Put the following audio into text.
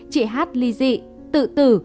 chị hát ly dị tự tử